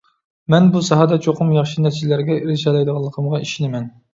مەن بۇ ساھەدە چوقۇم ياخشى نەتىجىلەرگە ئېرىشەلەيدىغانلىقىمغا ئىشىنىمەن.